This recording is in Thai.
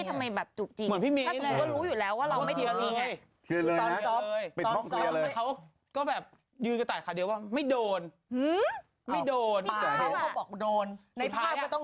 ไม่ต้องคุยนะกองกันซ้อมนี้กูบอกก่อนว่าโดนปากจริง